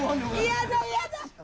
嫌だ、嫌だ。